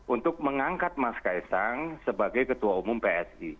untuk mengangkat mas kaisang sebagai ketua umum psi